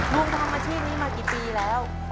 ลุงทำอาชีพนี้มากี่ปีแล้ว